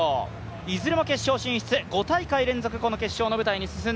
いずれも決勝進出、５大会連続決勝進出です。